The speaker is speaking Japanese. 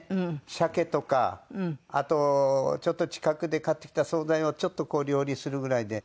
シャケとかあとちょっと近くで買ってきた総菜をちょっとこう料理するぐらいで。